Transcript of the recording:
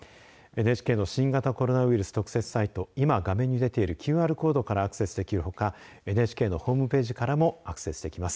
ＮＨＫの新型コロナウイルス特設サイト、今、画面に出ているＱＲコードからアクセスできるほかＮＨＫのホームページからもアクセスできます。